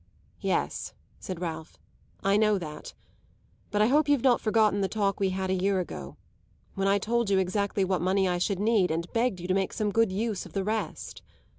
"Yes," said Ralph, "I know that. But I hope you've not forgotten the talk we had a year ago when I told you exactly what money I should need and begged you to make some good use of the rest."